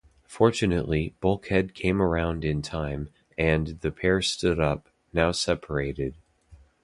Fortunately, Bulkhead came around in time, and the pair stood up, now separated.